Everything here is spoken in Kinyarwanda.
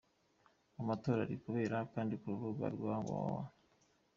Amatora ari kubera kandi ku rubuga www.